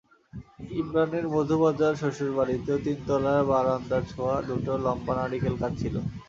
ইমরানের মধুবাজার শ্বশুর বাড়িতেও তিনতলার বারান্দা ছোঁয়া দুটো লম্বা নারিকেল গাছ ছিল।